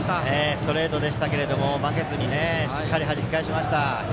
ストレートでしたけど負けずにはじき返しました。